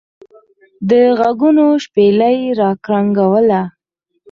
دغوږونو شپېلۍ را کرنګوله.